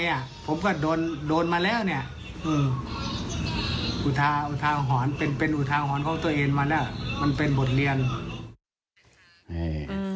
อุทาหอนเป็นอุทาหอนของตัวเองมาแล้วมันเป็นบทเรียน